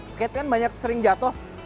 skate kan banyak sering jatuh